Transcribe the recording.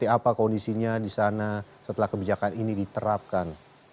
apa kondisinya di sana setelah kebijakan ini diterapkan